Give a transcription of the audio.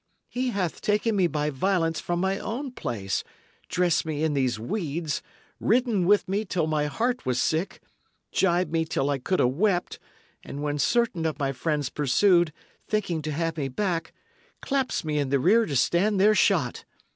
He hath taken me by violence from my own place; dressed me in these weeds; ridden with me till my heart was sick; gibed me till I could 'a' wept; and when certain of my friends pursued, thinking to have me back, claps me in the rear to stand their shot!